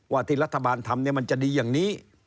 ว่าที่รัฐบาลทำเนี่ยมันจะดีอย่างนี้